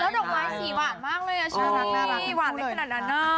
ดอกไม้สีหวานมากเลยอ่ะชัลลี่หวานได้ขนาดนั้น